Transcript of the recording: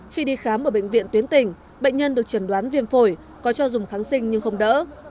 khi đi khám ở bệnh viện tuyến tỉnh bệnh nhân được chẩn đoán viêm phổi có cho dùng kháng sinh nhưng không đỡ